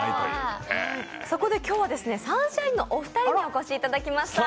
そこで今日はサンシャインのお二人にお越しいただきました。